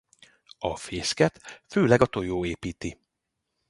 A fészket főleg a tojó építi.